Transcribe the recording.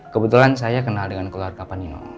kebetulan saya kenal dengan keluarga panino